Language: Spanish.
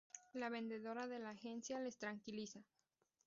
La vendedora de la agencia les tranquiliza.